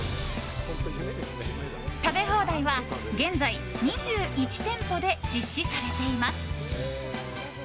食べ放題は、現在２１店舗で実施されています。